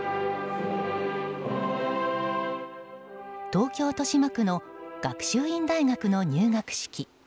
東京・豊島区の学習院大学の入学式。